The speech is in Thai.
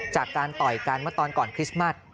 ต่อยกันเมื่อตอนก่อนคริสต์มัส